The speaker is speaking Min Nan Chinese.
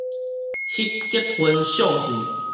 翕結婚相片